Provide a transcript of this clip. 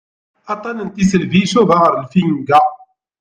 Aṭṭan n tisselbi icuba ɣer lfinga.